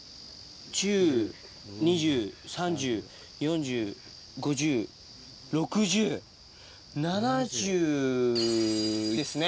１０２０３０４０５０６０７０ｃｍですね。